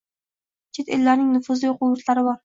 Chet ellarning nufuzli o‘quv yurtlari bor.